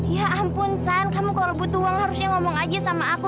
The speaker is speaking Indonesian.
ya ampun kamu kalau butuh uang harusnya ngomong aja sama aku